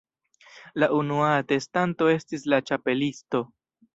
La unua atestanto estis la Ĉapelisto.